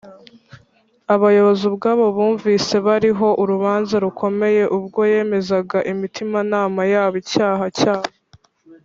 . Abayobozi ubwabo bumvise bariho urubanza rukomeye ubwo yemezaga imitimanama yabo icyaha cyabo,